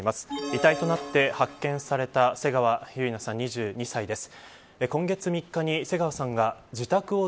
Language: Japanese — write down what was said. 遺体となって発見された瀬川結菜さん、２２歳です。